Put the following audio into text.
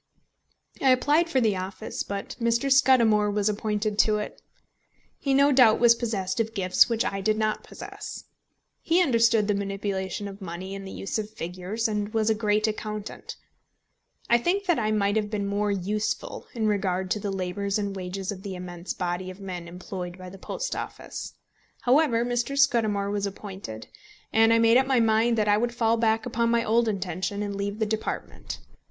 I applied for the office, but Mr. Scudamore was appointed to it. He no doubt was possessed of gifts which I did not possess. He understood the manipulation of money and the use of figures, and was a great accountant. I think that I might have been more useful in regard to the labours and wages of the immense body of men employed by the Post Office. However, Mr. Scudamore was appointed; and I made up my mind that I would fall back upon my old intention, and leave the department.